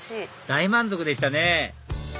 大満足でしたね